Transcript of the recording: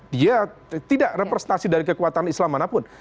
dia tidak representasi dari kekuatan islam manapun